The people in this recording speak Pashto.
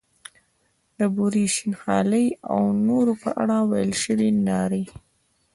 د بورې، شین خالۍ او نورو په اړه ویل شوې نارې.